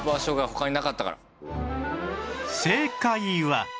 正解は